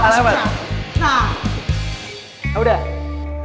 ah masih kurang